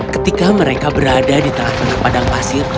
ketika mereka berada di tengah tengah padang pasir